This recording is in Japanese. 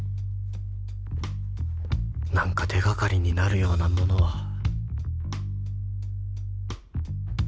何か手掛かりになるようなものは